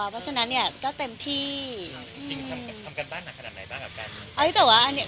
เพราะฉะนั้นเนี่ยก็เต็มที่จริงทำการบ้านหนักขนาดไหนบ้างครับ